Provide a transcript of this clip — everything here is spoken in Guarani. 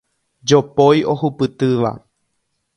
Jopói ohupytýva.